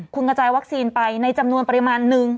คุณกระจายวัคซีนไปในจำนวนปริมาณหนึ่ง